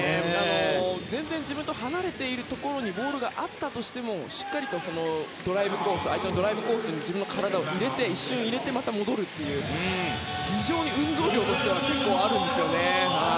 全然自分と離れているところにボールがあったとしてもしっかり相手のドライブコースに自分の体を一瞬入れてまた戻るという非常に運動量としては結構あるんですよね。